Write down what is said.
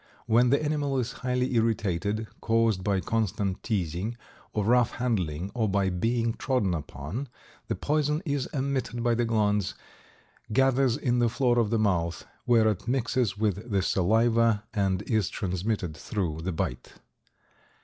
When the animal is highly irritated, caused by constant teasing or rough handling or by being trodden upon, the poison is emitted by the glands, gathers on the floor of the mouth, where it mixes with the saliva, and is transmitted through the bite.